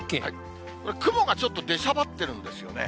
雲がちょっと出しゃばってるんですよね。